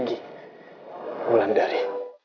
jangan pergi wulandari